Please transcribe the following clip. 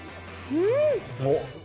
うん！